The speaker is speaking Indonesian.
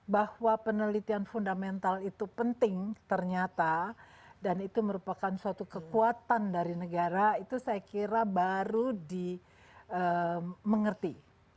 bahwa penelitian fundamental itu penting ternyata dan itu merupakan suatu kekuatan dari negara itu saya kira baru dimengerti